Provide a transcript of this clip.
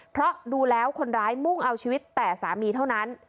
เพราะดูแล้วคนร้ายมุ่งเอาชีวิตแต่สามีเท่านั้น